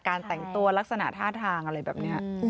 แต่งตัวลักษณะท่าทางอะไรแบบนี้